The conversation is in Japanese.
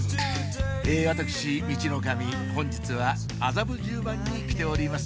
私ミチノカミ本日は麻布十番に来ております